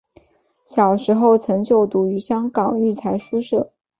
小时候曾就读于香港育才书社。